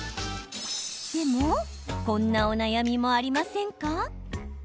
でも、こんなお悩みもありませんか？